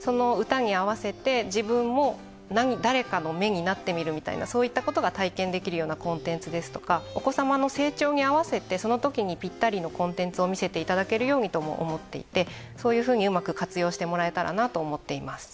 その歌に合わせて自分も誰かの目になってみるみたいなそういったことが体験できるようなコンテンツですとかお子様の成長に合わせてそのときにピッタリのコンテンツを見せていただけるようにとも思っていてそういうふうにうまく活用してもらえたらなと思っています。